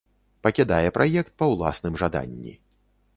Пакідае праект па ўласным жаданні.